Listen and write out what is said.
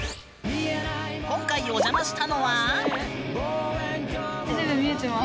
今回お邪魔したのは？